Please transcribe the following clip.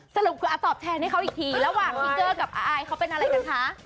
สรุปตอบแทนให้เขาอีกทีระหว่างพี่เกอร์กับอายเขาเป็นอะไรกันคะ